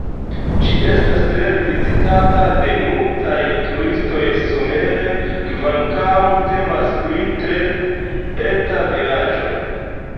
Ĝi estas tre vizitata de multaj turistoj somere, kvankam temas pri tre eta vilaĝo.